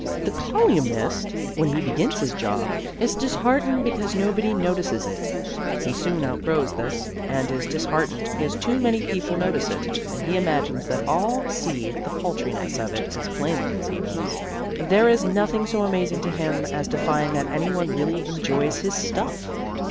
The colyumist, when he begins his job, is disheartened because nobody notices it. He soon outgrows this, and is disheartened because too many people notice it, and he imagines that all see the paltriness of it as plainly as he does. There is nothing so amazing to him as to find that any one really enjoys his "stuff."